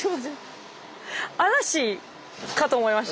嵐かと思いました。